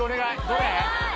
どれ？